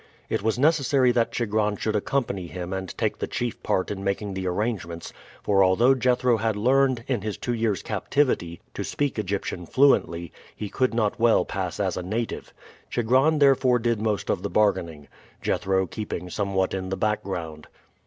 It was necessary that Chigron should accompany him and take the chief part in making the arrangements; for although Jethro had learned, in his two years' captivity, to speak Egyptian fluently, he could not well pass as a native. Chigron therefore did most of the bargaining, Jethro keeping somewhat in the background.